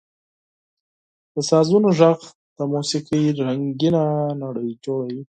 • د سازونو ږغ د موسیقۍ رنګینه نړۍ جوړوي.